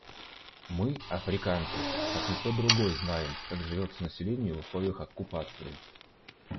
Мы, африканцы, как никто другой знаем, как живется населению в условиях оккупации.